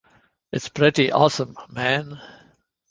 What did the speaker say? It's pretty awesome, man!